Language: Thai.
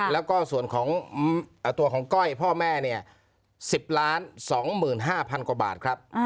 แล้วก็ส่วนของตัวของก้อยพ่อแม่เนี่ย๑๐๒๕๐๐๐กว่าบาทครับ